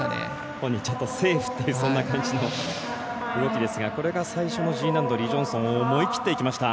本人、セーフっていうそういう感じの動きですがこれが最初のＧ難度リ・ジョンソンを思い切っていきました。